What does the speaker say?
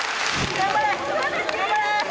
頑張れ！